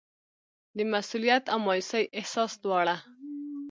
د مسوولیت او مایوسۍ احساس دواړه.